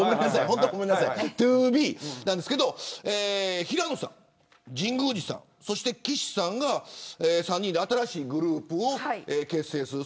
ＴＯＢＥなんですけど平野さん、神宮司さんそして岸さんが３人で新しいグループを結成する。